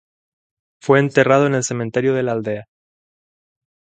Fue enterrado en el cementerio de la aldea.